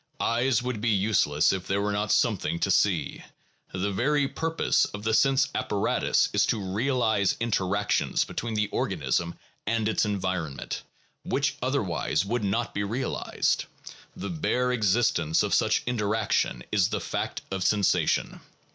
Eyes would be useless if there were not something to see. The very purpose of the sense apparatus is to realize interactions between the organism and its environment which otherwise would not be realized. The bare existence of such interaction is the fact of sensation.